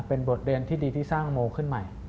เป็นบทเรียนที่ดีที่สร้างโมขึ้นใหม่